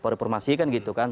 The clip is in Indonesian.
reformasi kan gitu kan